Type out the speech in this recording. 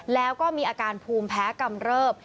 แล้วก็มีอาการภูมิแพ้กำเริบ